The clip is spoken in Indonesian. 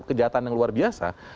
kejahatan yang luar biasa